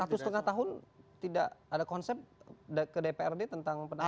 satu setengah tahun tidak ada konsep ke dprd tentang penataan